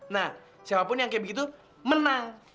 nah siapapun yang kayak begitu menang